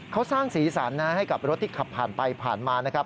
เขาสร้างสีสันนะให้กับรถที่ขับผ่านไปผ่านมานะครับ